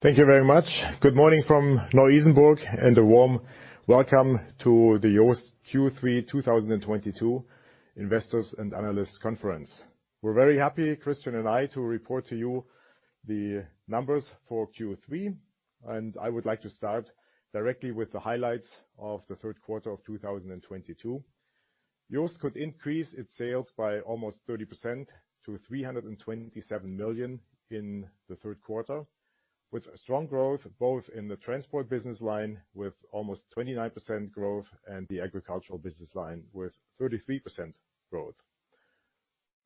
Thank you very much. Good morning from Neu-Isenburg, and a warm welcome to the JOST Q3 2022 Investors and Analysts Conference. We're very happy, Christian and I, to report to you the numbers for Q3, and I would like to start directly with the highlights of the third quarter of 2022. JOST could increase its sales by almost 30% to 327 million in the third quarter, with strong growth both in the transport business line, with almost 29% growth, and the agricultural business line, with 33% growth.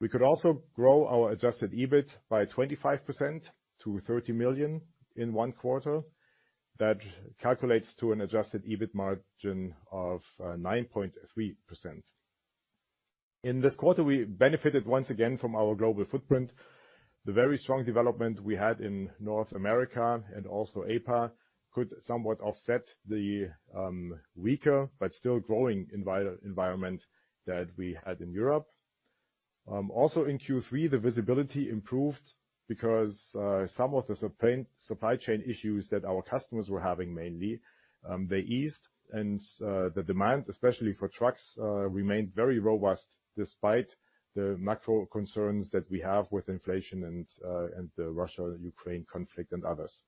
We could also grow our adjusted EBIT by 25% to 30 million in one quarter. That calculates to an adjusted EBIT margin of 9.3%. In this quarter, we benefited once again from our global footprint. The very strong development we had in North America and also APA could somewhat offset the weaker but still growing environment that we had in Europe. Also in Q3, the visibility improved because some of the supply chain issues that our customers were having, mainly, they eased. The demand, especially for trucks, remained very robust despite the macro concerns that we have with inflation and the Russia-Ukraine conflict and others.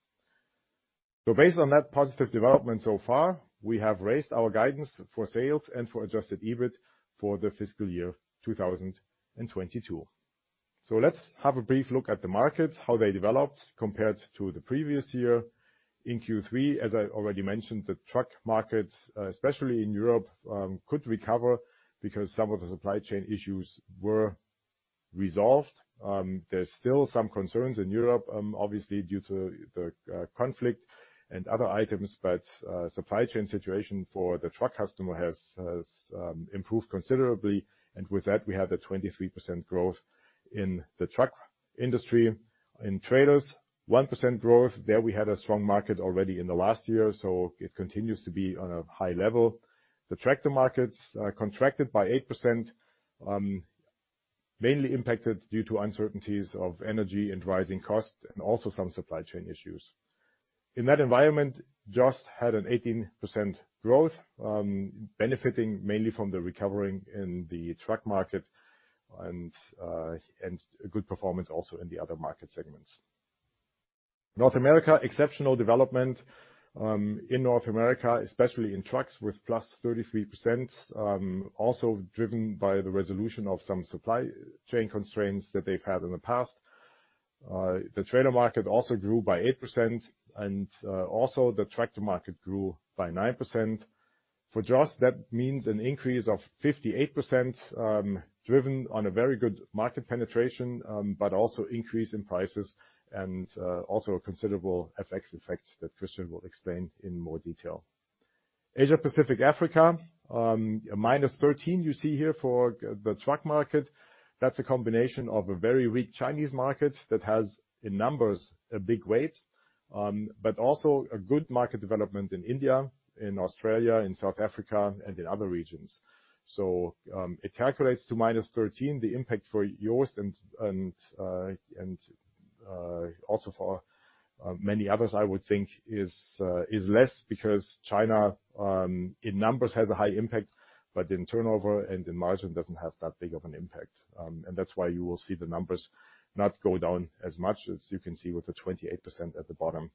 Based on that positive development so far, we have raised our guidance for sales and for adjusted EBIT for the fiscal year 2022. Let's have a brief look at the markets, how they developed compared to the previous year. In Q3, as I already mentioned, the truck markets, especially in Europe, could recover because some of the supply chain issues were resolved. There's still some concerns in Europe, obviously due to the conflict and other items, but supply chain situation for the truck customer has improved considerably. With that, we have the 23% growth in the truck industry. In trailers, 1% growth. There we had a strong market already in the last year, so it continues to be on a high level. The tractor markets contracted by 8%, mainly impacted due to uncertainties of energy and rising costs and also some supply chain issues. In that environment, JOST had an 18% growth, benefiting mainly from the recovering in the truck market and a good performance also in the other market segments. North America, exceptional development in North America, especially in trucks, with +33%, also driven by the resolution of some supply chain constraints that they've had in the past. The trailer market also grew by 8%, and also the tractor market grew by 9%. For JOST, that means an increase of 58%, driven on a very good market penetration, but also increase in prices and also considerable FX effects that Christian will explain in more detail. Asia-Pacific Africa, minus 13% you see here for the truck market. That's a combination of a very weak Chinese market that has, in numbers, a big weight, but also a good market development in India, in Australia, in South Africa, and in other regions. It calculates to minus 13%. The impact for JOST also for many others, I would think, is less because China in numbers has a high impact, but in turnover and in margin doesn't have that big of an impact. That's why you will see the numbers not go down as much as you can see with the 28% at the bottom.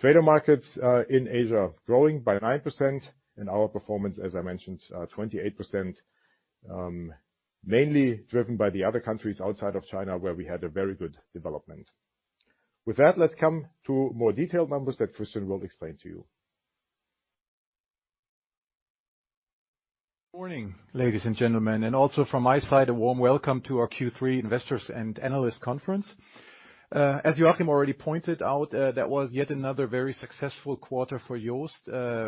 Trailer markets in Asia growing by 9%. In our performance, as I mentioned, 28%, mainly driven by the other countries outside of China where we had a very good development. With that, let's come to more detailed numbers that Christian will explain to you. Morning, ladies and gentlemen, and also from my side, a warm welcome to our Q3 Investors and Analyst Conference. As Joachim already pointed out, that was yet another very successful quarter for JOST.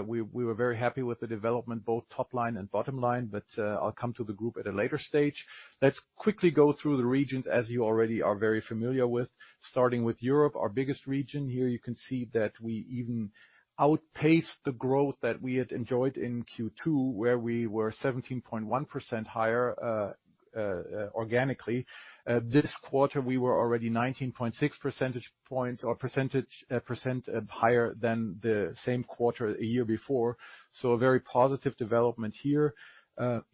We were very happy with the development, both top line and bottom line, but I'll come to the group at a later stage. Let's quickly go through the regions as you already are very familiar with. Starting with Europe, our biggest region. Here you can see that we even outpaced the growth that we had enjoyed in Q2, where we were 17.1% higher organically. This quarter we were already 19.6 percentage points or percent higher than the same quarter a year before. A very positive development here,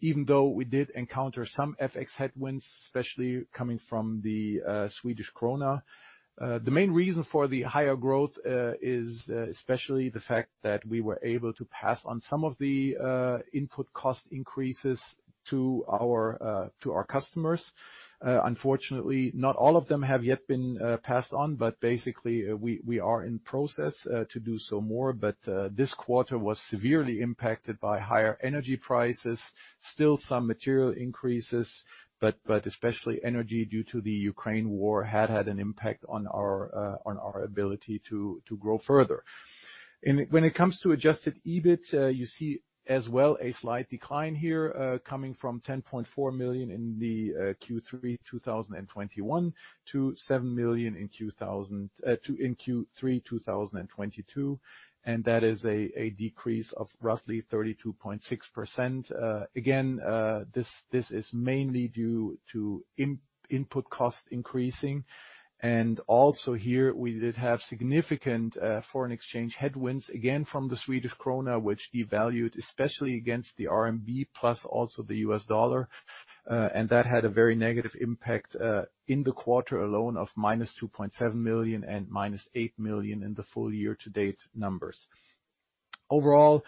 even though we did encounter some FX headwinds, especially coming from the Swedish krona. The main reason for the higher growth is especially the fact that we were able to pass on some of the input cost increases to our customers. Unfortunately, not all of them have yet been passed on, but basically we are in process to do so more. This quarter was severely impacted by higher energy prices. Still some material increases, but especially energy due to the Ukraine war had an impact on our ability to grow further. When it comes to adjusted EBIT, you see as well a slight decline here, coming from 10.4 million in Q3 2021 to 7 million in Q3 2022. That is a decrease of roughly 32.6%. Again, this is mainly due to input cost increasing. Also here we did have significant foreign exchange headwinds, again, from the Swedish krona, which devalued especially against the RMB, plus also the U.S. dollar. That had a very negative impact in the quarter alone of minus 2.7 million and minus 8 million in the full year-to-date numbers. Overall,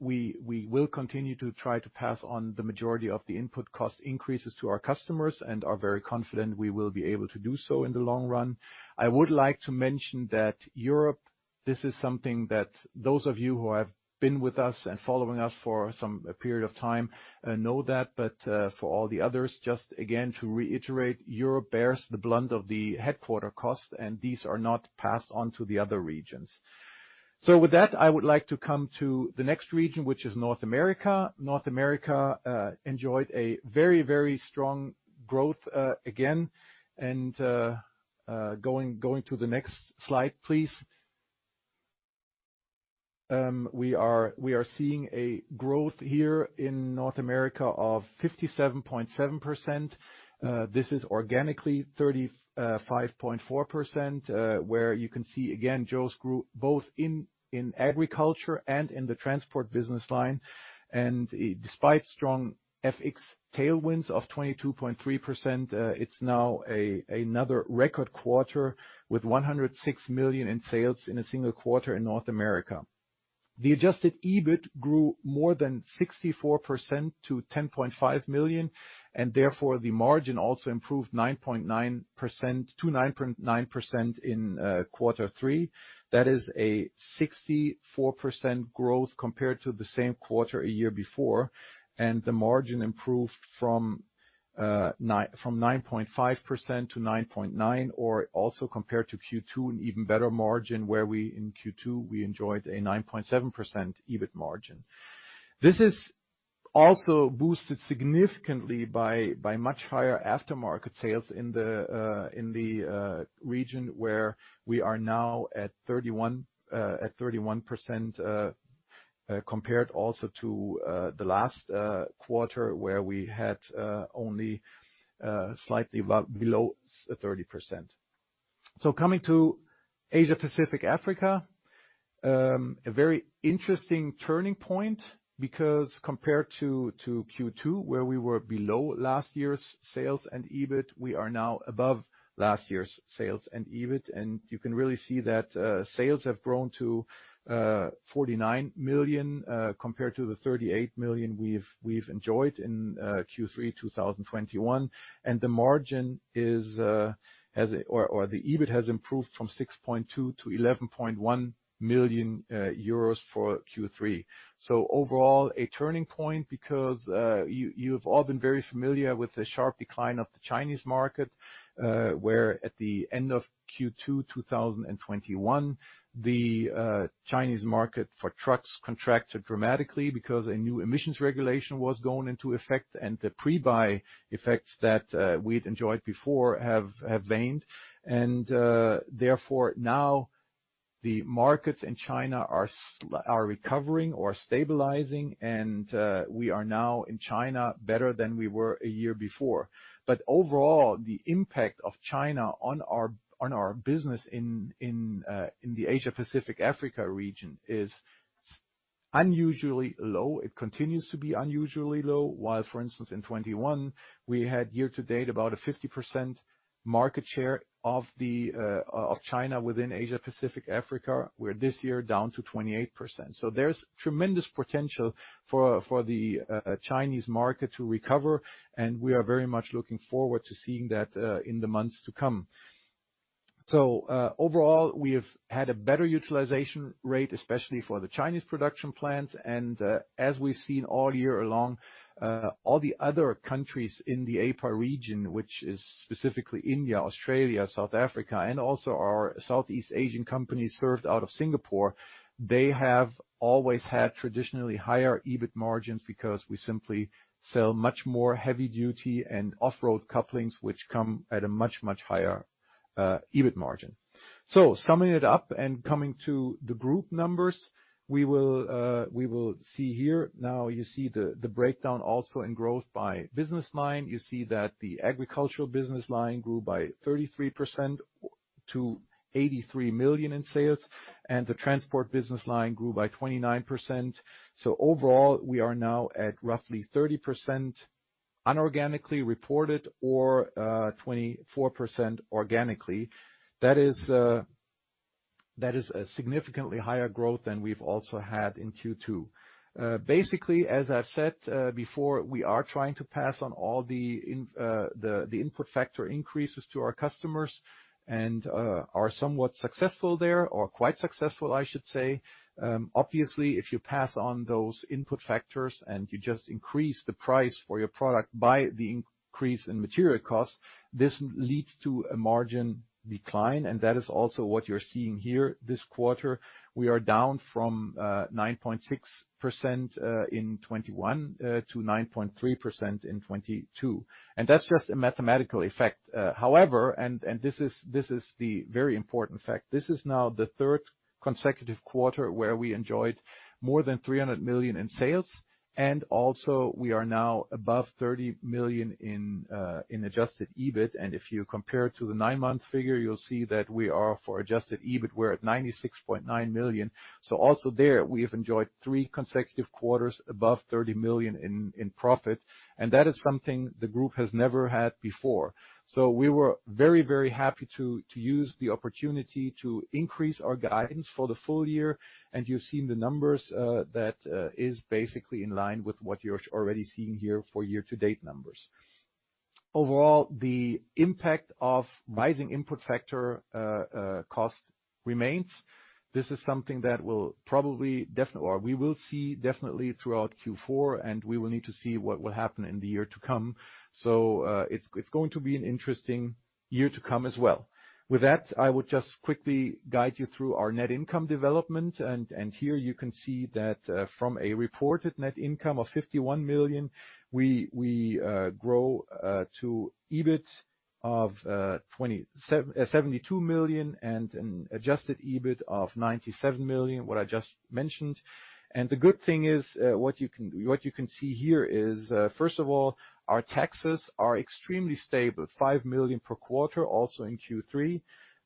we will continue to try to pass on the majority of the input cost increases to our customers and are very confident we will be able to do so in the long run. I would like to mention that Europe, this is something that those of you who have been with us and following us for some period of time know that, but for all the others, just again to reiterate, Europe bears the brunt of the headquarters costs, and these are not passed on to the other regions. With that, I would like to come to the next region, which is North America. North America enjoyed a very strong growth again. Going to the next slide, please. We are seeing a growth here in North America of 57.7%. This is organically 5.4%, where you can see, again, JOST grew both in Agriculture and in the Transport business line. Despite strong FX tailwinds of 22.3%, it's now another record quarter with 106 million in sales in a single quarter in North America. The adjusted EBIT grew more than 64% to 10.5 million, and therefore, the margin also improved 9.9%-9.9% in quarter three. That is a 64% growth compared to the same quarter a year before. The margin improved from 9.5%-9.9%, or also compared to Q2, an even better margin where we in Q2 enjoyed a 9.7% EBIT margin. This is also boosted significantly by much higher aftermarket sales in the region where we are now at 31%, compared also to the last quarter, where we had only slightly below 30%. Coming to Asia-Pacific-Africa, a very interesting turning point because compared to Q2, where we were below last year's sales and EBIT, we are now above last year's sales and EBIT. You can really see that sales have grown to 49 million compared to the 38 million we've enjoyed in Q3 2021. The EBIT has improved from 6.2 million-11.1 million euros for Q3. Overall, a turning point because you've all been very familiar with the sharp decline of the Chinese market, where at the end of Q2 2021, the Chinese market for trucks contracted dramatically because a new emissions regulation was going into effect and the pre-buy effects that we'd enjoyed before have waned. Therefore, now the markets in China are recovering or stabilizing and we are now in China better than we were a year before. Overall, the impact of China on our business in the Asia-Pacific-Africa region is unusually low. It continues to be unusually low. While, for instance, in 2021, we had year-to-date about a 50% market share of China within Asia-Pacific-Africa. We're this year down to 28%. There's tremendous potential for the Chinese market to recover, and we are very much looking forward to seeing that in the months to come. Overall, we have had a better utilization rate, especially for the Chinese production plants. As we've seen all year along, all the other countries in the APA region, which is specifically India, Australia, South Africa, and also our Southeast Asian companies served out of Singapore, they have always had traditionally higher EBIT margins because we simply sell much more heavy duty and off-road couplings, which come at a much, much higher EBIT margin. Summing it up and coming to the group numbers, we will see here. Now you see the breakdown also in growth by business line. You see that the agricultural business line grew by 33% to 83 million in sales, and the transport business line grew by 29%. Overall, we are now at roughly 30% unorganically reported or 24% organically. That is a significantly higher growth than we've also had in Q2. Basically, as I've said before, we are trying to pass on all the input factor increases to our customers and are somewhat successful there, or quite successful, I should say. Obviously, if you pass on those input factors and you just increase the price for your product by the increase in material costs, this leads to a margin decline, and that is also what you're seeing here this quarter. We are down from 9.6% in 2021 to 9.3% in 2022. That's just a mathematical effect. However, and this is the very important fact, this is now the third consecutive quarter where we enjoyed more than 300 million in sales, and also we are now above 30 million in adjusted EBIT. If you compare to the nine-month figure, you'll see that we are for adjusted EBIT, we're at 96.9 million. Also there, we have enjoyed three consecutive quarters above 30 million in profit, and that is something the group has never had before. We were very happy to use the opportunity to increase our guidance for the full year. You've seen the numbers that is basically in line with what you're already seeing here for year-to-date numbers. Overall, the impact of rising input factor cost remains. This is something that we will see definitely throughout Q4, and we will need to see what will happen in the year to come. It's going to be an interesting year to come as well. With that, I would just quickly guide you through our net income development. Here you can see that from a reported net income of 51 million, we grow to EBIT of 72 million and an adjusted EBIT of 97 million, what I just mentioned. The good thing is, what you can see here is, first of all, our taxes are extremely stable, 5 million per quarter, also in Q3.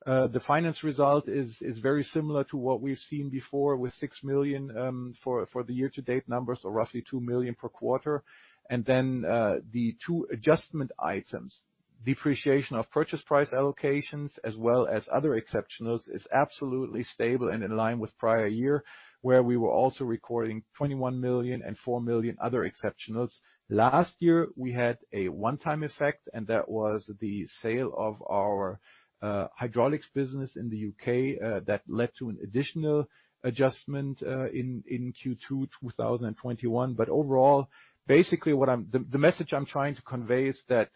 The finance result is very similar to what we've seen before with 6 million, for the year-to-date numbers or roughly 2 million per quarter. The two adjustment items, depreciation of purchase price allocations as well as other exceptionals, is absolutely stable and in line with prior year, where we were also recording 21 million and 4 million other exceptionals. Last year, we had a one-time effect, and that was the sale of our hydraulics business in the U.K., that led to an additional adjustment in Q2, 2021. Overall, basically, the message I'm trying to convey is that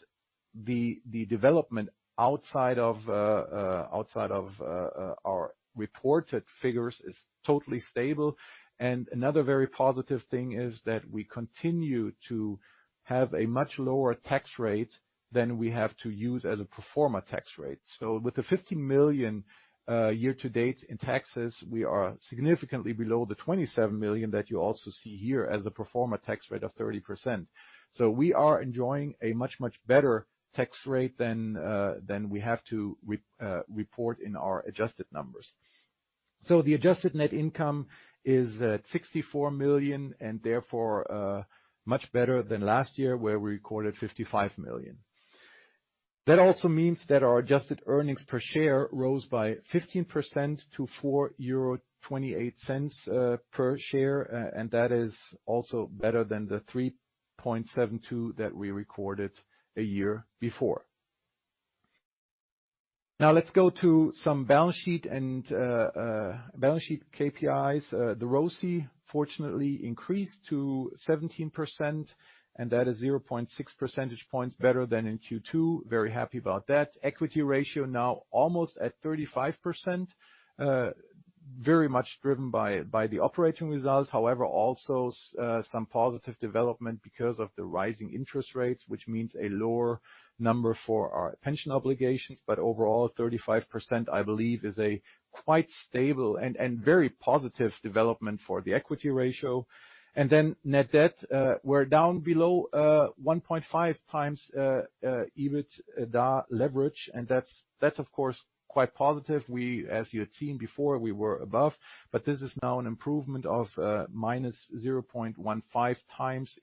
the development outside of our reported figures is totally stable. Another very positive thing is that we continue to have a much lower tax rate than we have to use as a pro forma tax rate. With the 50 million year-to-date in taxes, we are significantly below the 27 million that you also see here as a pro forma tax rate of 30%. We are enjoying a much better tax rate than we have to report in our adjusted numbers. The adjusted net income is at 64 million, and therefore, much better than last year, where we recorded 55 million. That also means that our adjusted earnings per share rose by 15% to 4.28 euro per share. That is also better than the 3.72 that we recorded a year before. Now let's go to some balance sheet KPIs. The ROCE fortunately increased to 17%, and that is 0.6 percentage points better than in Q2. Very happy about that. Equity ratio now almost at 35%, very much driven by the operating results. However, also some positive development because of the rising interest rates, which means a lower number for our pension obligations. But overall, 35%, I believe, is a quite stable and very positive development for the equity ratio. Net debt, we're down below 1.5x EBITDA leverage, and that's of course quite positive. We, as you had seen before, we were above, but this is now an improvement of -0.15x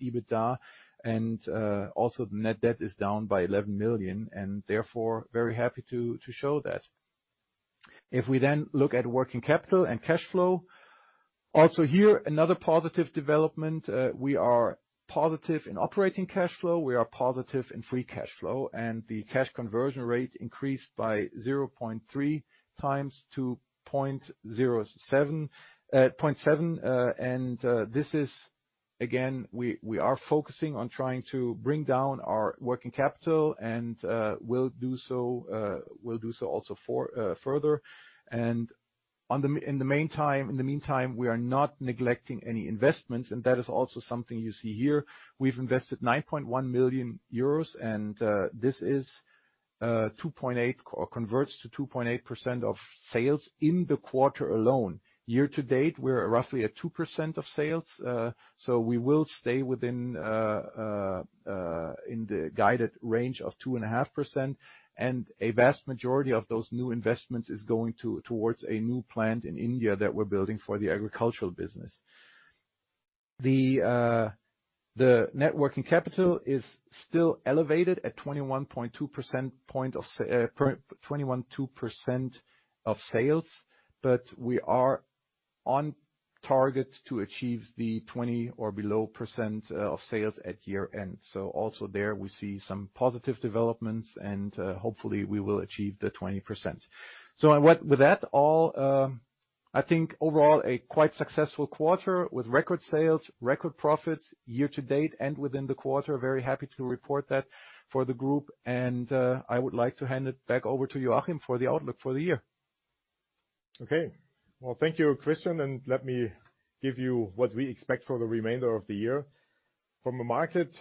EBITDA. Net debt is down by 11 million, and therefore, very happy to show that. If we then look at working capital and cash flow, also here another positive development. We are positive in operating cash flow. We are positive in free cash flow, and the cash conversion rate increased by 0.3x to 0.7x. This is, again, we are focusing on trying to bring down our working capital, and we'll do so also for further. In the meantime, we are not neglecting any investments, and that is also something you see here. We've invested 9.1 million euros, and this is 2.8% of sales in the quarter alone. Year-to-date, we're roughly at 2% of sales. We will stay within the guided range of 2.5%. A vast majority of those new investments is going towards a new plant in India that we're building for the agricultural business. The net working capital is still elevated at 21.2% of sales, but we are on target to achieve 20% or below of sales at year-end. Also there we see some positive developments and, hopefully we will achieve the 20%. With that, I think overall a quite successful quarter with record sales, record profits year-to-date and within the quarter. Very happy to report that for the group and, I would like to hand it back over to Joachim for the outlook for the year. Okay. Well, thank you, Christian, and let me give you what we expect for the remainder of the year. From the market,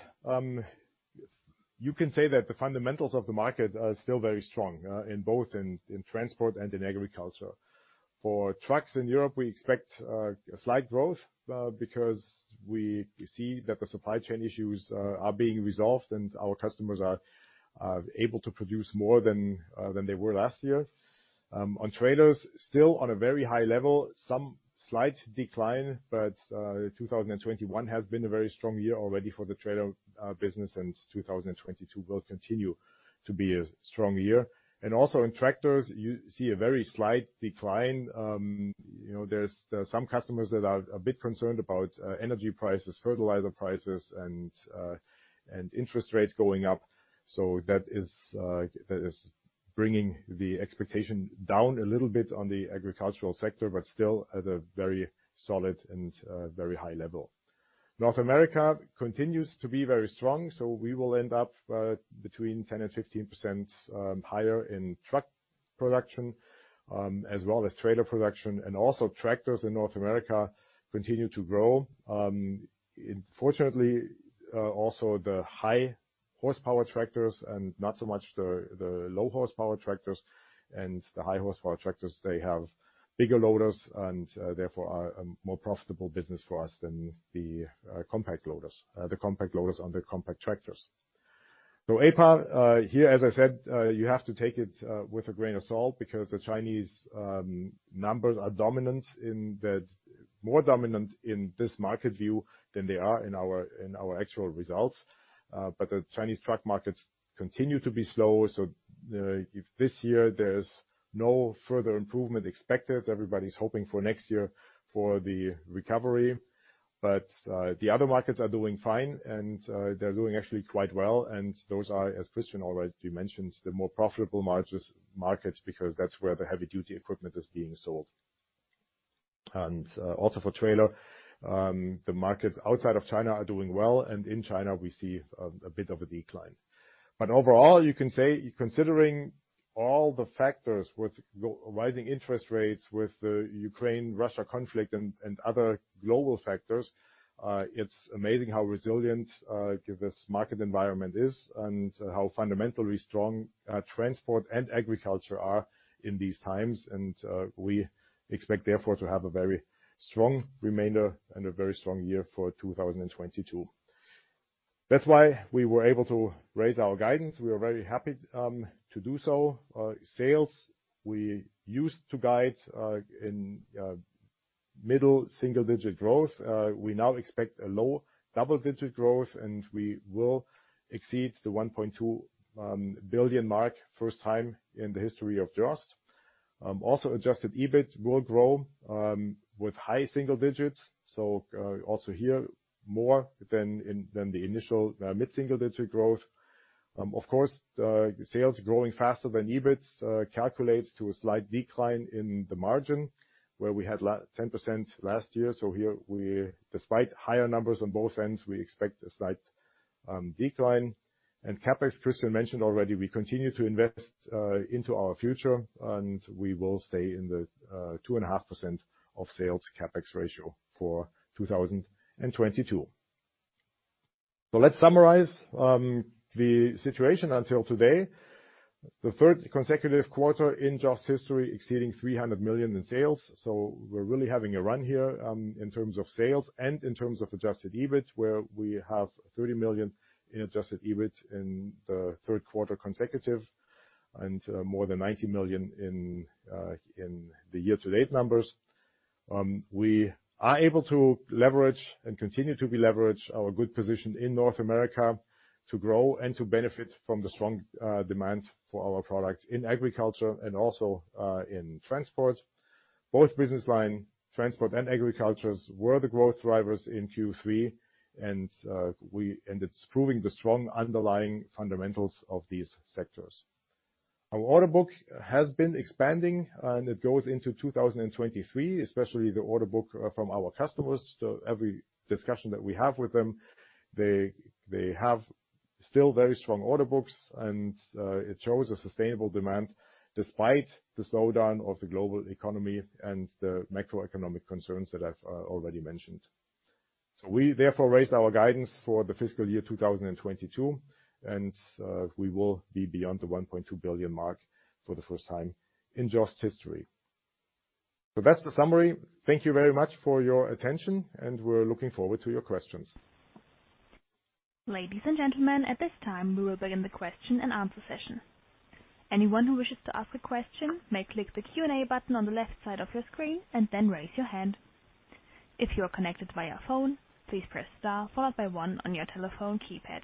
you can say that the fundamentals of the market are still very strong in both transport and in agriculture. For trucks in Europe, we expect a slight growth because we see that the supply chain issues are being resolved and our customers are able to produce more than they were last year. On trailers, still on a very high level, some slight decline, but 2021 has been a very strong year already for the trailer business, and 2022 will continue to be a strong year. Also in tractors, you see a very slight decline. You know, there are some customers that are a bit concerned about energy prices, fertilizer prices, and interest rates going up. That is bringing the expectation down a little bit on the agricultural sector, but still at a very solid and very high level. North America continues to be very strong, so we will end up between 10% and 15% higher in truck production as well as trailer production. Tractors in North America continue to grow. Fortunately, also the high horsepower tractors and not so much the low horsepower tractors. The high horsepower tractors have bigger loaders and therefore are a more profitable business for us than the compact loaders on the compact tractors. APA, here, as I said, you have to take it with a grain of salt because the Chinese numbers are dominant in that, more dominant in this market view than they are in our actual results. The Chinese truck markets continue to be slow. If this year there's no further improvement expected, everybody's hoping for next year for the recovery. The other markets are doing fine and they're doing actually quite well. Those are, as Christian already mentioned, the more profitable markets because that's where the heavy duty equipment is being sold. Also for trailer, the markets outside of China are doing well, and in China we see a bit of a decline. Overall, you can say considering all the factors with the rising interest rates, with the Ukraine-Russia conflict, and other global factors, it's amazing how resilient this market environment is and how fundamentally strong transport and agriculture are in these times. We expect therefore to have a very strong remainder and a very strong year for 2022. That's why we were able to raise our guidance. We are very happy to do so. Sales, we used to guide in middle single-digit growth. We now expect a low double-digit growth, and we will exceed the 1.2 billion mark first time in the history of JOST. Also adjusted EBIT will grow with high single digits. Also here more than the initial mid-single digit growth. Of course, the sales growing faster than EBIT calculates to a slight decline in the margin, where we had 10% last year. Here we, despite higher numbers on both ends, we expect a slight decline. CapEx, Christian mentioned already, we continue to invest into our future, and we will stay in the 2.5% of sales CapEx ratio for 2022. Let's summarize the situation until today. The third consecutive quarter in JOST history exceeding 300 million in sales. We're really having a run here in terms of sales and in terms of adjusted EBIT, where we have 30 million in adjusted EBIT in the third quarter consecutive and more than 90 million in the year-to-date numbers. We are able to leverage and continue to leverage our good position in North America to grow and to benefit from the strong demand for our products in Agriculture and also in Transport. Both business line, Transport and Agriculture, were the growth drivers in Q3, and it's proving the strong underlying fundamentals of these sectors. Our order book has been expanding, and it goes into 2023, especially the order book from our customers. Every discussion that we have with them, they have still very strong order books and it shows a sustainable demand despite the slowdown of the global economy and the macroeconomic concerns that I've already mentioned. We therefore raise our guidance for the fiscal year 2022, and we will be beyond the 1.2 billion mark for the first time in JOST history. That's the summary. Thank you very much for your attention, and we're looking forward to your questions. Ladies and gentlemen, at this time, we will begin the question and answer session. Anyone who wishes to ask a question may click the Q&A button on the left side of your screen and then raise your hand. If you are connected via phone, please press star followed by one on your telephone keypad.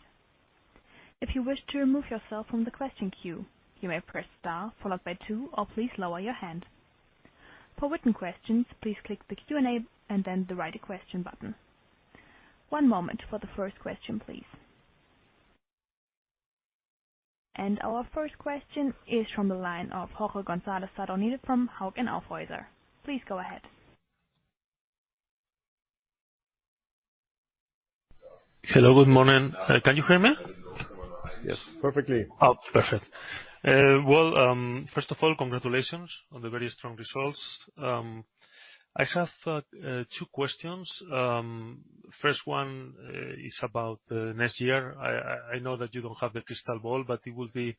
If you wish to remove yourself from the question queue, you may press star followed by two, or please lower your hand. For written questions, please click the Q&A and then the Write a Question button. One moment for the first question, please. Our first question is from the line of Jorge González Sadornil from Hauck & Aufhäuser. Please go ahead. Hello. Good morning. Can you hear me? Yes, perfectly. Oh, perfect. Well, first of all, congratulations on the very strong results. I have two questions. First one is about the next year. I know that you don't have the crystal ball, but it will be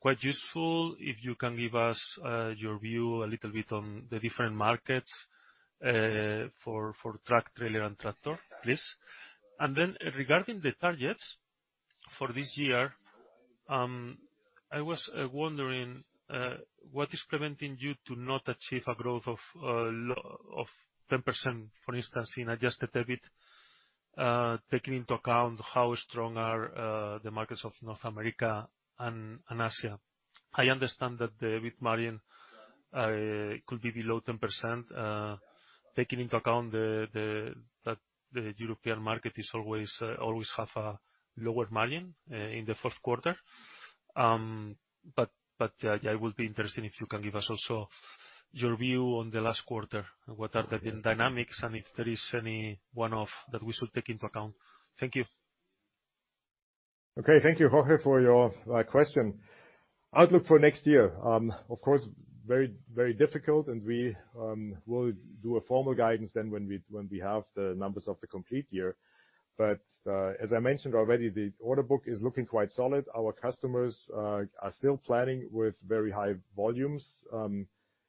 quite useful if you can give us your view a little bit on the different markets for truck, trailer, and tractor, please. Then regarding the targets for this year, I was wondering what is preventing you to not achieve a growth of 10%, for instance, in adjusted EBIT, taking into account how strong are the markets of North America and Asia. I understand that the EBIT margin could be below 10%, taking into account that the European market is always have a lower margin in the fourth quarter. I will be interested if you can give us also your view on the last quarter and what are the dynamics and if there is any one-off that we should take into account. Thank you. Okay. Thank you, Jorge, for your question. Outlook for next year, of course, very, very difficult, and we will do a formal guidance then when we have the numbers of the complete year. As I mentioned already, the order book is looking quite solid. Our customers are still planning with very high volumes,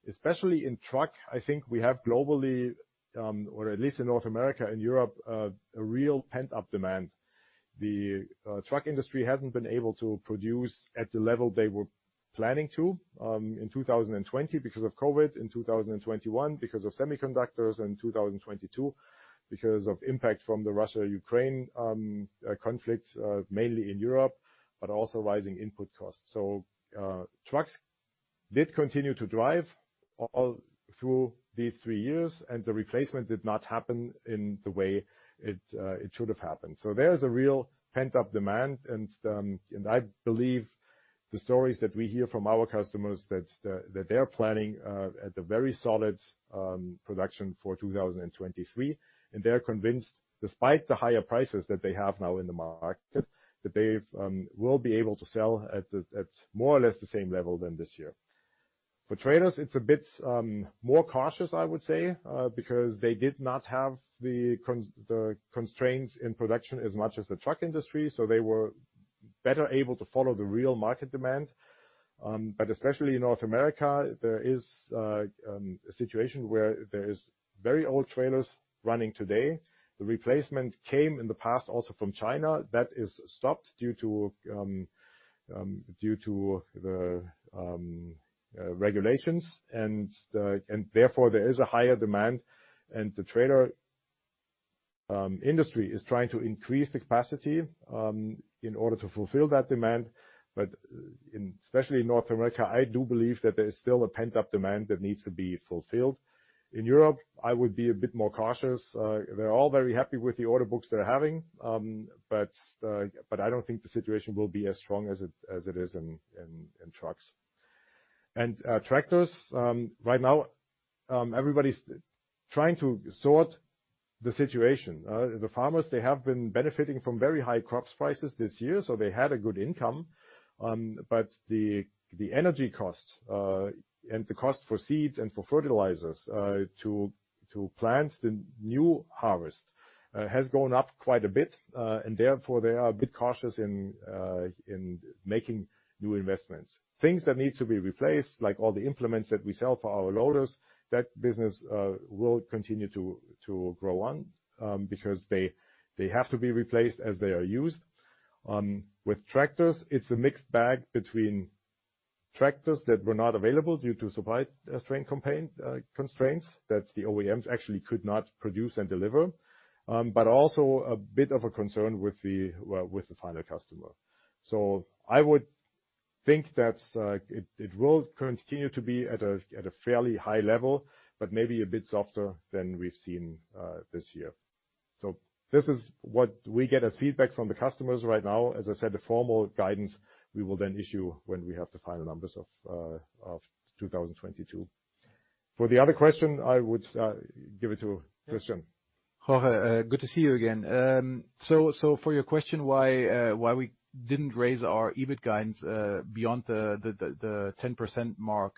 especially in truck. I think we have globally, or at least in North America and Europe, a real pent-up demand. The truck industry hasn't been able to produce at the level they were planning to, in 2020 because of COVID, in 2021 because of semiconductors, in 2022 because of impact from the Russia/Ukraine conflict, mainly in Europe, but also rising input costs. Trucks did continue to drive all through these three years, and the replacement did not happen in the way it should have happened. There's a real pent-up demand. I believe the stories that we hear from our customers that they're planning a very solid production for 2023. They're convinced, despite the higher prices that they have now in the market, that they will be able to sell at more or less the same level than this year. For trailers, it's a bit more cautious, I would say, because they did not have the constraints in production as much as the truck industry, so they were better able to follow the real market demand. Especially in North America, there is a situation where there is very old trailers running today. The replacement came in the past also from China. That is stopped due to the regulations. Therefore, there is a higher demand. The trailer industry is trying to increase capacity in order to fulfill that demand. Especially in North America, I do believe that there is still a pent-up demand that needs to be fulfilled. In Europe, I would be a bit more cautious. They're all very happy with the order books they're having. I don't think the situation will be as strong as it is in trucks and tractors right now. Everybody's trying to sort the situation. The farmers, they have been benefiting from very high crop prices this year, so they had a good income. The energy cost and the cost for seeds and for fertilizers to plant the new harvest has gone up quite a bit, and therefore, they are a bit cautious in making new investments. Things that need to be replaced, like all the implements that we sell for our loaders, that business will continue to grow on, because they have to be replaced as they are used. With tractors, it's a mixed bag between tractors that were not available due to supply constraints, that the OEMs actually could not produce and deliver. Also a bit of a concern with, well, the final customer. I would think that it will continue to be at a fairly high level, but maybe a bit softer than we've seen this year. This is what we get as feedback from the customers right now. As I said, the formal guidance we will then issue when we have the final numbers of 2022. For the other question, I would give it to Christian. Jorge, good to see you again. So, for your question, why we didn't raise our EBIT guidance beyond the 10% mark,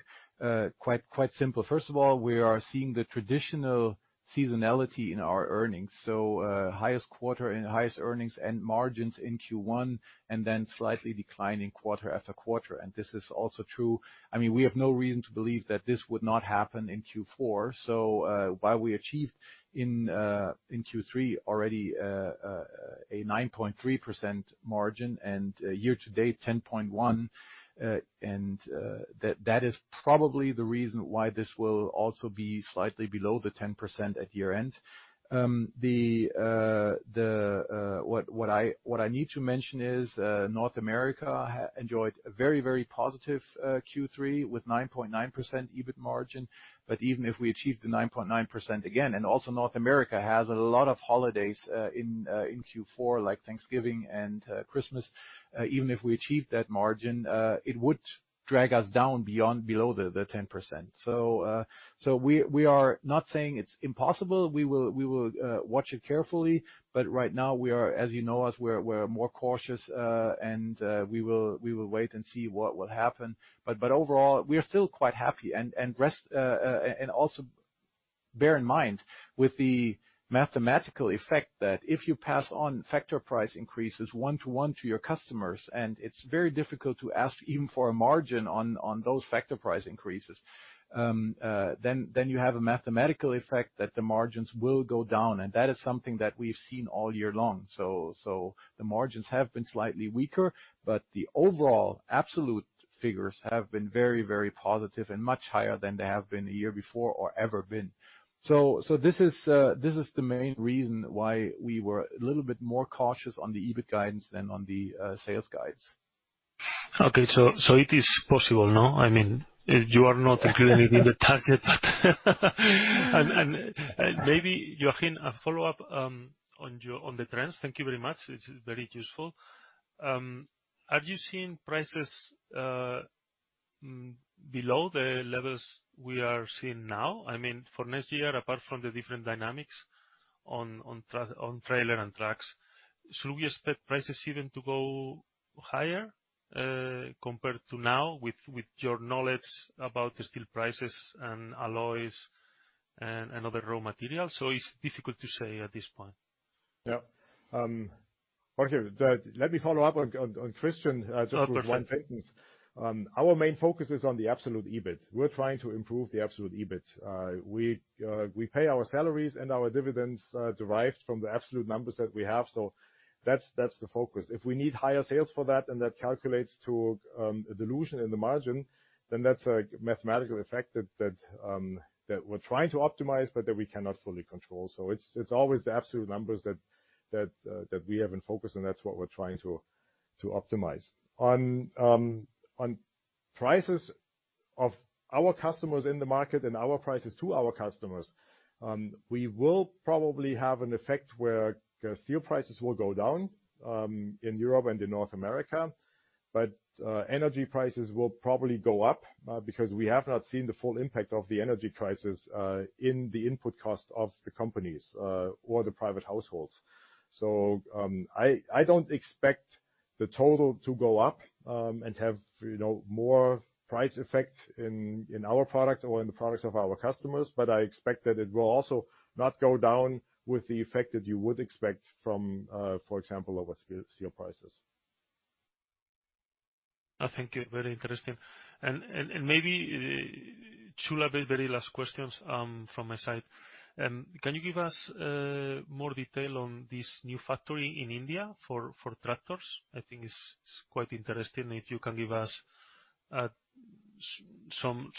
quite simple. First of all, we are seeing the traditional seasonality in our earnings. Highest quarter and highest earnings and margins in Q1, and then slightly declining quarter after quarter. This is also true. I mean, we have no reason to believe that this would not happen in Q4. While we achieved in Q3 already a 9.3% margin, and year-to-date, 10.1%. That is probably the reason why this will also be slightly below the 10% at year-end. What I need to mention is North America has enjoyed a very, very positive Q3 with 9.9% EBIT margin. Even if we achieved the 9.9% again, and also North America has a lot of holidays in Q4, like Thanksgiving and Christmas. Even if we achieved that margin, it would drag us down below the 10%. We are not saying it's impossible. We will watch it carefully, but right now we are, as you know us, we're more cautious, and we will wait and see what will happen. Overall, we are still quite happy. Also bear in mind with the mathematical effect that if you pass on factor price increases one-to-one to your customers, and it's very difficult to ask even for a margin on those factor price increases, then you have a mathematical effect that the margins will go down, and that is something that we've seen all year long. The margins have been slightly weaker, but the overall absolute figures have been very, very positive and much higher than they have been the year before or ever been. This is the main reason why we were a little bit more cautious on the EBIT guidance than on the sales guidance. Okay, so it is possible, no? I mean, you are not including in the target, but maybe Joachim, a follow-up on the trends. Thank you very much. This is very useful. Have you seen prices below the levels we are seeing now? I mean, for next year, apart from the different dynamics on trailer and trucks. Should we expect prices even to go higher compared to now with your knowledge about the steel prices and alloys and other raw materials? It's difficult to say at this point. Yeah. Jorge, let me follow up on Christian just with one sentence. Our main focus is on the absolute EBIT. We're trying to improve the absolute EBIT. We pay our salaries and our dividends derived from the absolute numbers that we have. That's the focus. If we need higher sales for that, and that calculates to a dilution in the margin, then that's a mathematical effect that we're trying to optimize, but that we cannot fully control. It's always the absolute numbers that we have in focus, and that's what we're trying to optimize. On prices of our customers in the market and our prices to our customers, we will probably have an effect where steel prices will go down in Europe and in North America. Energy prices will probably go up because we have not seen the full impact of the energy prices in the input cost of the companies or the private households. I don't expect the total to go up and have, you know, more price effect in our products or in the products of our customers, but I expect that it will also not go down with the effect that you would expect from, for example, lower steel prices. Thank you. Very interesting. Maybe two last, very last questions from my side. Can you give us more detail on this new factory in India for tractors? I think it's quite interesting if you can give us some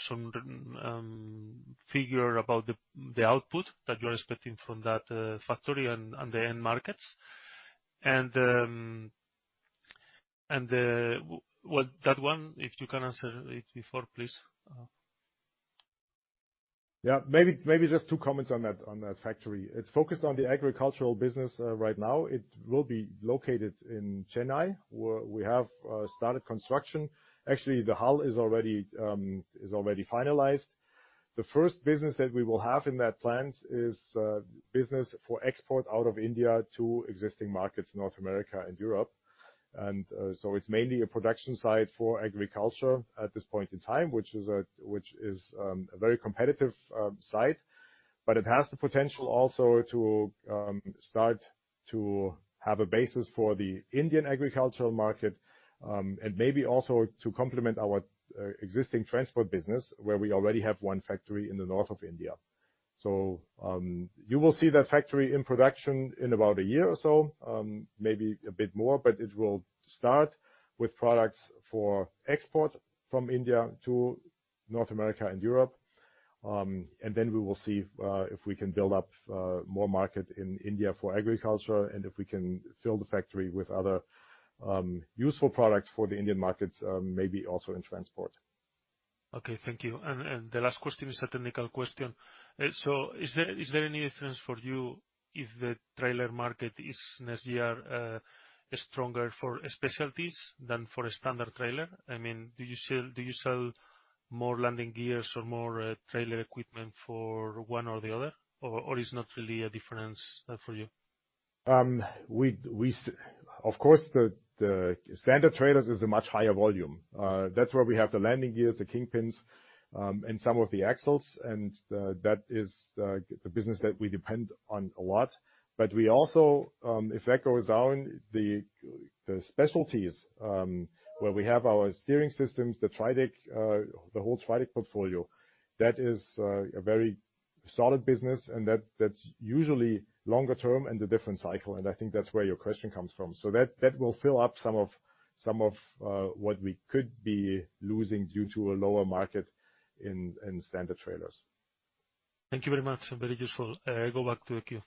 figure about the output that you're expecting from that factory and the end markets. That one, if you can answer it before, please. Yeah. Maybe just two comments on that factory. It's focused on the agricultural business right now. It will be located in Chennai, where we have started construction. Actually, the hall is already finalized. The first business that we will have in that plant is business for export out of India to existing markets, North America and Europe. So it's mainly a production site for agriculture at this point in time, which is a very competitive site. But it has the potential also to start to have a basis for the Indian agricultural market and maybe also to complement our existing transport business, where we already have one factory in the north of India. You will see that factory in production in about a year or so, maybe a bit more, but it will start with products for export from India to North America and Europe. Then we will see if we can build up more market in India for Agriculture and if we can fill the factory with other useful products for the Indian markets, maybe also in Transport. Okay, thank you. The last question is a technical question. Is there any difference for you if the trailer market is next year stronger for specialties than for a standard trailer? I mean, do you sell more landing gears or more trailer equipment for one or the other? Or it's not really a difference for you? Of course, the standard trailers is a much higher volume. That's where we have the landing gears, the kingpins, and some of the axles, and that is the business that we depend on a lot. We also, if that goes down, the specialties, where we have our steering systems, the TRIDEC, the whole TRIDEC portfolio, that is a very solid business, and that's usually longer-term and a different cycle, and I think that's where your question comes from. That will fill up some of what we could be losing due to a lower market in standard trailers. Thank you very much. Very useful. Go back to the queue.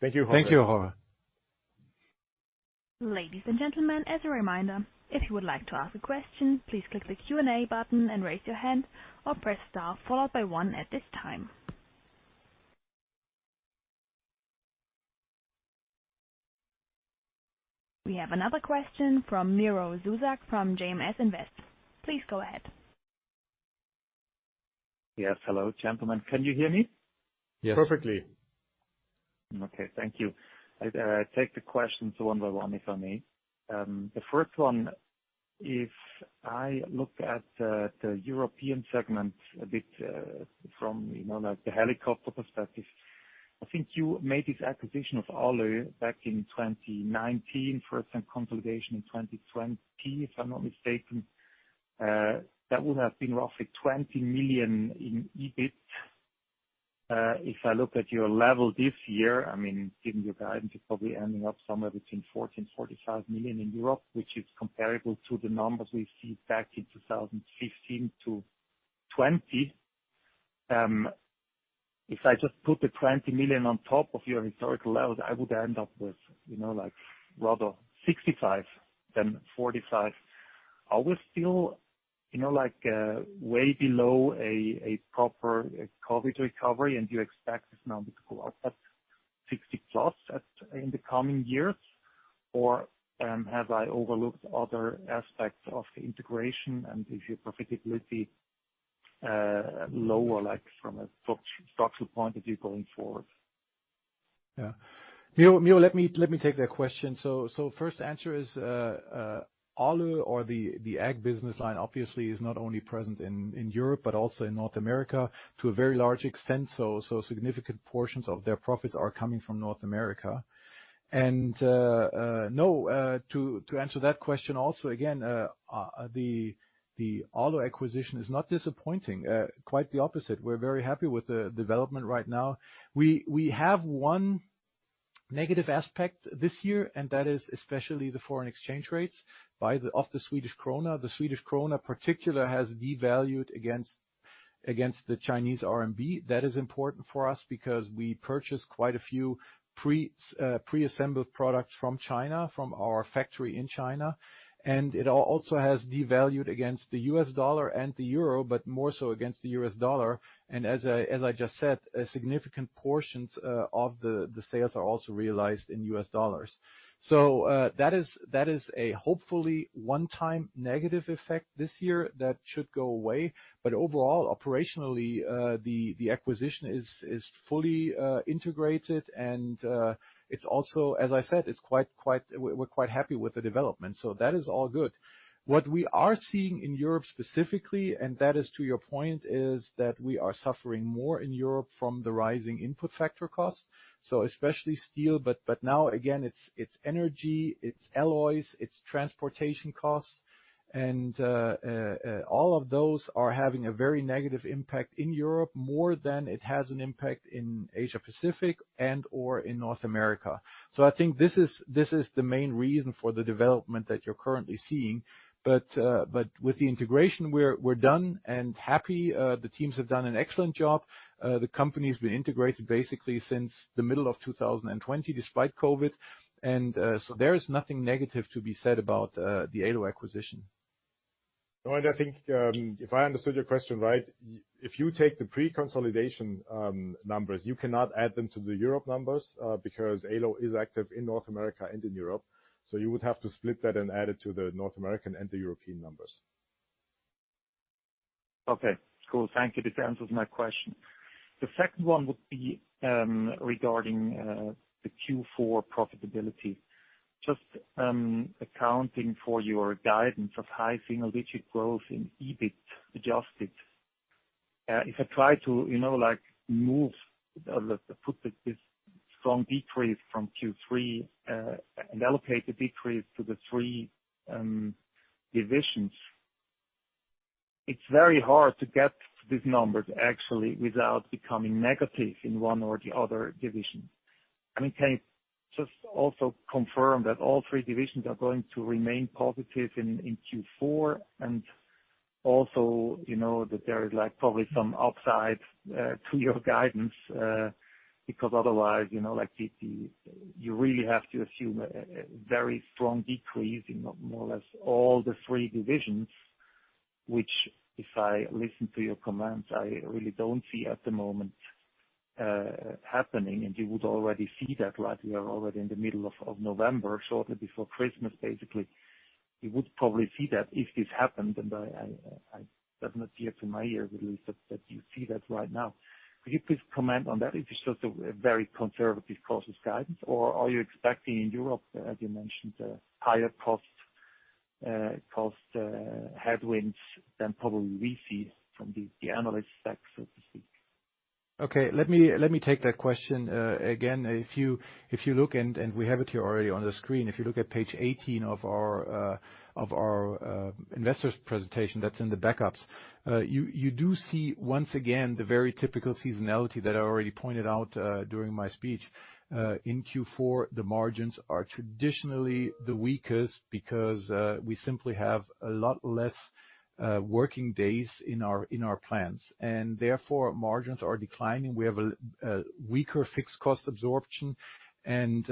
Thank you, Jorge. Thank you, Jorge. Ladies and gentlemen, as a reminder, if you would like to ask a question, please click the Q&A button and raise your hand, or press star followed by one at this time. We have another question from Miro Zuzak from JMS Invest. Please go ahead. Yes. Hello, gentlemen. Can you hear me? Yes. Perfectly. Okay. Thank you. I'll take the questions one by one, if I may. The first one, if I look at the European segment a bit from, you know, like, the helicopter perspective, I think you made this acquisition of Ålö back in 2019, first time consolidation in 2020, if I'm not mistaken. That would have been roughly 20 million in EBIT. If I look at your level this year, I mean, given your guidance, you're probably ending up somewhere between 40 million and 45 million in Europe, which is comparable to the numbers we see back in 2015 to 2020. If I just put the 20 million on top of your historical level, I would end up with, you know, like, rather 65 million than 45 million. Are we still, you know, like, way below a proper COVID recovery, and do you expect this number to go up at 60+ in the coming years? Or, have I overlooked other aspects of the integration, and is your profitability lower, like, from a structural point of view going forward? Yeah. Miro, let me take that question. First answer is, Ålö or the ag business line obviously is not only present in Europe but also in North America to a very large extent, so significant portions of their profits are coming from North America. No, to answer that question also, again, the Ålö acquisition is not disappointing. Quite the opposite. We're very happy with the development right now. We have one negative aspect this year, and that is especially the foreign exchange rates of the Swedish krona. The Swedish krona in particular has devalued against the Chinese RMB. That is important for us because we purchase quite a few preassembled products from China, from our factory in China. It also has devalued against the U.S. dollar and the euro, but more so against the U.S. dollar. As I just said, a significant portion of the sales are also realized in U.S. dollars. That is a hopefully one-time negative effect this year that should go away. Overall, operationally, the acquisition is fully integrated, and it's also, as I said, quite. We're quite happy with the development. That is all good. What we are seeing in Europe specifically, and that is to your point, is that we are suffering more in Europe from the rising input factor costs, so especially steel, but now again, it's energy, it's alloys, it's transportation costs. All of those are having a very negative impact in Europe more than it has an impact in Asia-Pacific and/or in North America. I think this is the main reason for the development that you're currently seeing. With the integration, we're done and happy. The teams have done an excellent job. The company's been integrated basically since the middle of 2020, despite COVID, and there is nothing negative to be said about the Ålö acquisition. I think, if I understood your question right, if you take the pre-consolidation numbers, you cannot add them to the Europe numbers, because Ålö is active in North America and in Europe. You would have to split that and add it to the North American and the European numbers. Okay. Cool. Thank you. That answers my question. The second one would be regarding the Q4 profitability. Just accounting for your guidance of high single-digit growth in adjusted EBIT, if I try to, you know, like, put this strong decrease from Q3 and allocate the decrease to the three divisions, it's very hard to get these numbers actually without becoming negative in one or the other division. I mean, can you just also confirm that all three divisions are going to remain positive in Q4 and also, you know, that there is, like, probably some upside to your guidance? Because otherwise, you know, like, you really have to assume a very strong decrease in more or less all the three divisions, which if I listen to your comments, I really don't see at the moment happening, and you would already see that, like, we are already in the middle of November, shortly before Christmas, basically. You would probably see that if this happened, and that's not yet in my year release that you see that right now. Could you please comment on that, if it's just a very conservative process guidance, or are you expecting in Europe, as you mentioned, higher cost headwinds than probably we see from the analyst side, so to speak? Okay. Let me take that question again. If you look and we have it here already on the screen. If you look at page 18 of our investors presentation that's in the backups, you do see once again the very typical seasonality that I already pointed out during my speech. In Q4, the margins are traditionally the weakest because we simply have a lot less working days in our plants, and therefore, margins are declining. We have a weaker fixed cost absorption and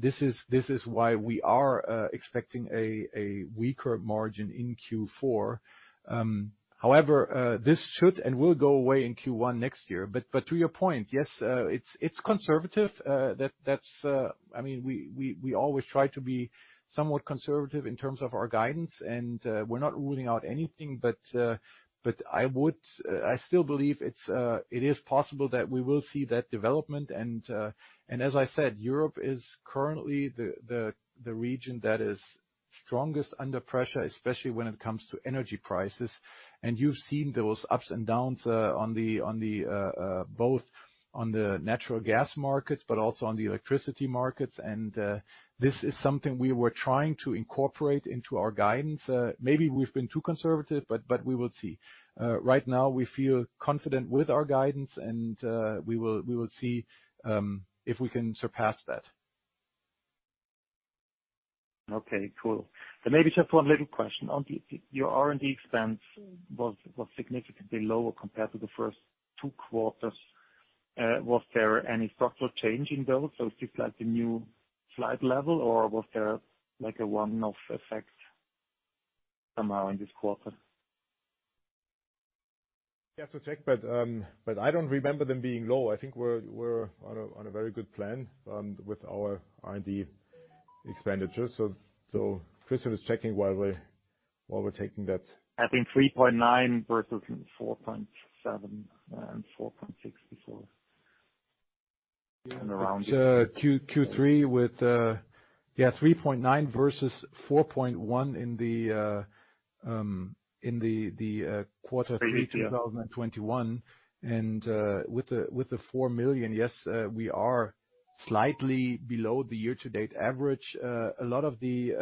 this is why we are expecting a weaker margin in Q4. However, this should and will go away in Q1 next year. To your point, yes, it's conservative. I mean, we always try to be somewhat conservative in terms of our guidance, and we're not ruling out anything. I still believe it is possible that we will see that development. As I said, Europe is currently the region that is strongest under pressure, especially when it comes to energy prices. You've seen those ups and downs, both on the natural gas markets but also on the electricity markets. This is something we were trying to incorporate into our guidance. Maybe we've been too conservative, but we will see. Right now, we feel confident with our guidance, and we will see if we can surpass that. Okay, cool. Maybe just one little question. Your R&D expense was significantly lower compared to the first two quarters. Was there any structural change in those, or is this like the new slide level, or was there like a one-off effect somehow in this quarter? We have to check, but I don't remember them being low. I think we're on a very good plan with our R&D expenditures. Christian is checking while we're talking that. I think 3.9% versus 4.7% and 4.6% before. It's Q3 with 3.9% versus 4.1% in the quarter 3 2021. With the 4 million, we are slightly below the year-to-date average. A lot of the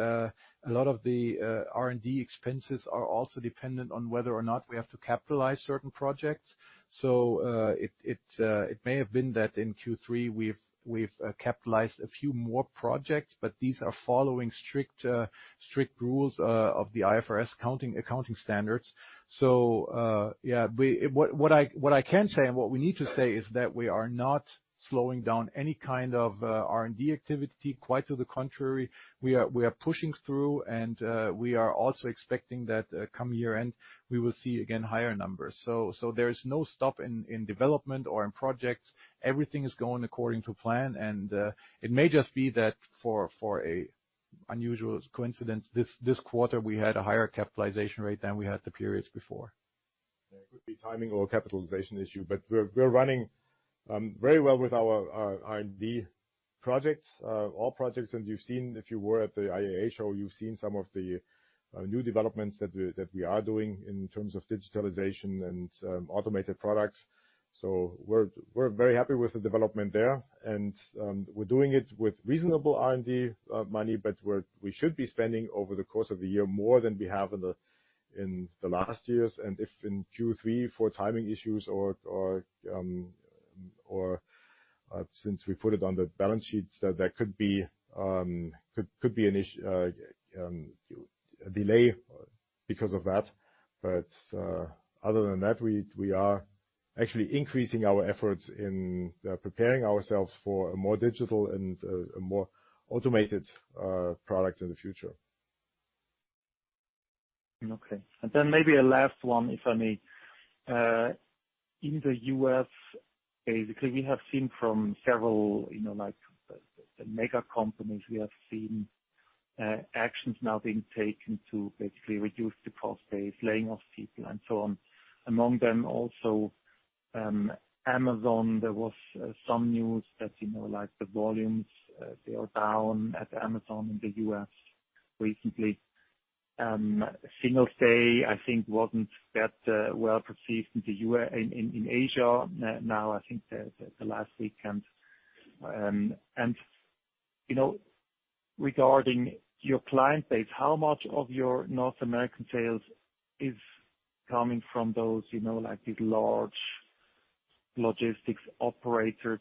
R&D expenses are also dependent on whether or not we have to capitalize certain projects. It may have been that in Q3, we've capitalized a few more projects, but these are following strict rules of the IFRS accounting standards. What I can say and what we need to say is that we are not slowing down any kind of R&D activity. Quite to the contrary, we are pushing through, and we are also expecting that come year-end, we will see again higher numbers. There is no stop in development or in projects. Everything is going according to plan. It may just be that for a unusual coincidence, this quarter, we had a higher capitalization rate than we had the periods before. Yeah. It could be timing or a capitalization issue, but we're running very well with our R&D projects. All projects that you've seen, if you were at the IAA show, you've seen some of the new developments that we are doing in terms of digitalization and automated products. We're very happy with the development there. We're doing it with reasonable R&D money, but we should be spending over the course of the year more than we have in the last years. If in Q3 for timing issues or since we put it on the balance sheets, that there could be a delay because of that. Other than that, we are actually increasing our efforts in preparing ourselves for a more digital and a more automated product in the future. Okay. Then maybe a last one, if I may. In the U.S., basically, we have seen from several, you know, like the mega companies, we have seen actions now being taken to basically reduce the cost base, laying off people, and so on. Among them also Amazon, there was some news that, you know, like the volumes they are down at Amazon in the U.S. recently. Singles' Day, I think, wasn't that well received in Asia now, I think, the last weekend. You know, regarding your client base, how much of your North American sales is coming from those, you know, like these large logistics operators?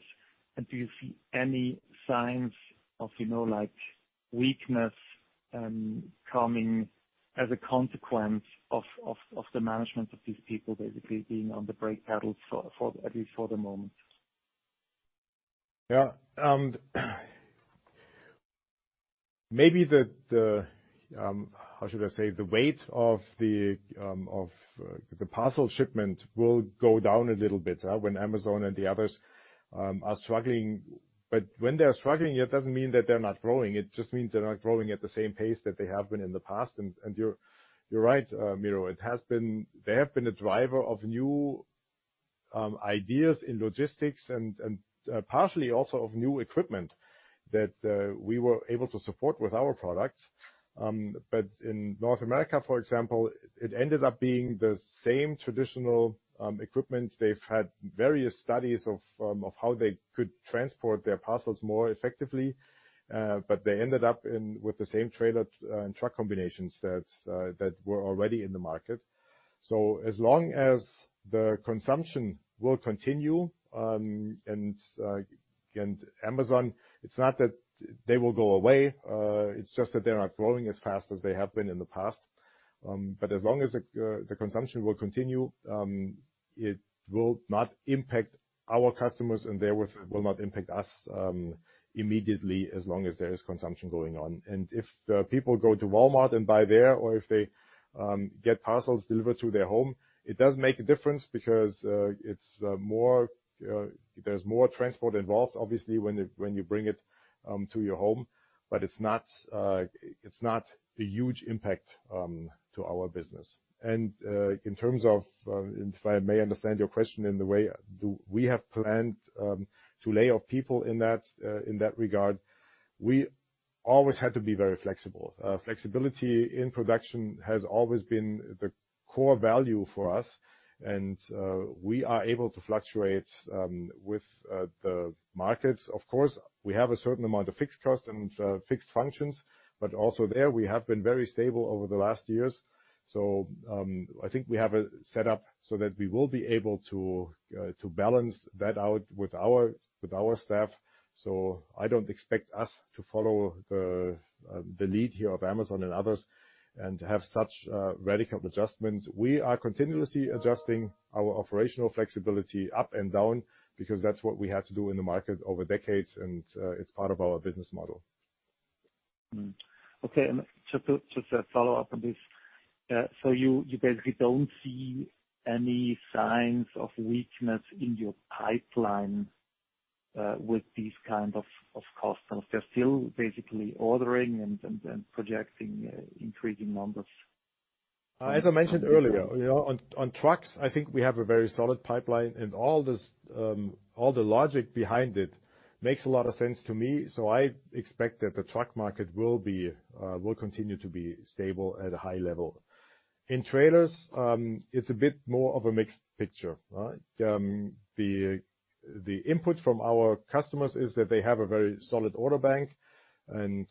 Do you see any signs of, you know, like weakness, coming as a consequence of the management of these people basically being on the brake pedal for at least for the moment? Yeah. Maybe the weight of the parcel shipment will go down a little bit, when Amazon and the others are struggling. When they're struggling, it doesn't mean that they're not growing. It just means they're not growing at the same pace that they have been in the past. You're right, Miro. They have been a driver of new ideas in logistics and partially also of new equipment that we were able to support with our products. But in North America, for example, it ended up being the same traditional equipment. They've had various studies of how they could transport their parcels more effectively. They ended up with the same trailer and truck combinations that were already in the market. As long as the consumption will continue, and Amazon, it's not that they will go away, it's just that they're not growing as fast as they have been in the past. As long as the consumption will continue, it will not impact our customers, and therewith will not impact us immediately, as long as there is consumption going on. If the people go to Walmart and buy there, or if they get parcels delivered to their home, it does make a difference because it's more, there's more transport involved, obviously, when you bring it to your home. It's not a huge impact to our business. In terms of, if I may understand your question in the way, do we have planned to lay off people in that regard? We always had to be very flexible. Flexibility in production has always been the core value for us, and we are able to fluctuate with the markets. Of course, we have a certain amount of fixed costs and fixed functions, but also there, we have been very stable over the last years. I think we have a set up so that we will be able to balance that out with our staff. I don't expect us to follow the lead here of Amazon and others and have such radical adjustments. We are continuously adjusting our operational flexibility up and down because that's what we had to do in the market over decades, and it's part of our business model. Okay. Just a follow-up on this. So you basically don't see any signs of weakness in your pipeline with these kind of costs? They're still basically ordering and projecting increasing numbers? As I mentioned earlier, you know, on trucks, I think we have a very solid pipeline, and all this, all the logic behind it makes a lot of sense to me, so I expect that the truck market will continue to be stable at a high level. In trailers, it's a bit more of a mixed picture, all right? The input from our customers is that they have a very solid order bank and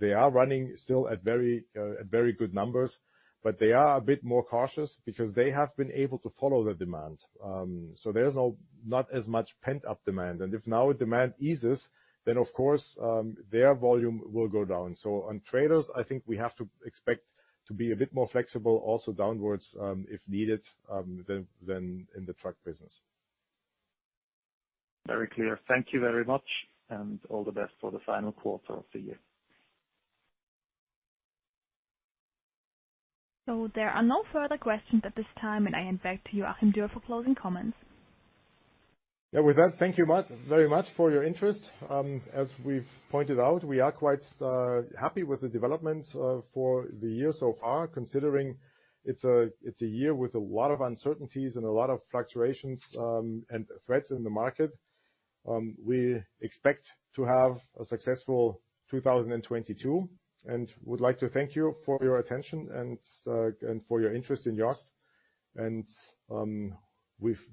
they are running still at very good numbers, but they are a bit more cautious because they have been able to follow the demand. There's not as much pent-up demand. If now demand eases, then of course, their volume will go down. On trailers, I think we have to expect to be a bit more flexible also downwards, if needed, than in the truck business. Very clear. Thank you very much, and all the best for the final quarter of the year. There are no further questions at this time, and I hand back to you, Joachim Dürr, for closing comments. Yeah. With that, thank you very much for your interest. As we've pointed out, we are quite happy with the development for the year so far, considering it's a year with a lot of uncertainties and a lot of fluctuations, and threats in the market. We expect to have a successful 2022, and would like to thank you for your attention and for your interest in JOST.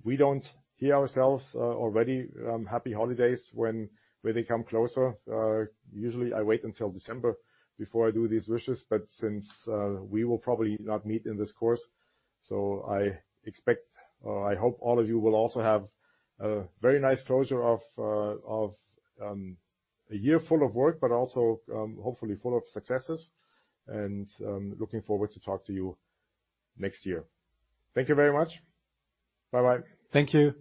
We don't hear ourselves already happy holidays when they come closer. Usually I wait until December before I do these wishes, but since we will probably not meet in this course, so I expect or I hope all of you will also have a very nice closure of a year full of work, but also hopefully full of successes. I'm looking forward to talk to you next year. Thank you very much. Bye-bye. Thank you.